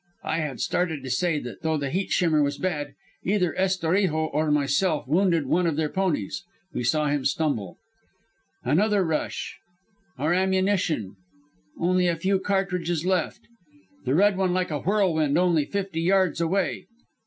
I had started to say that though the heat shimmer was bad, either Estorijo or myself wounded one of their ponies. We saw him stumble. "Another rush "Our ammunition "Only a few cartridges left. "The Red One like a whirlwind only fifty yards away.